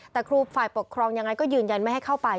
แต่ครูฝ่ายปกครองยังไงก็ยืนยันไม่ให้เข้าไป